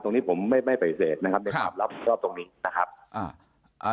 ตรงนี้ผมไม่ไม่ไปเศษนะครับครับรอบรอบตรงนี้นะครับอ่า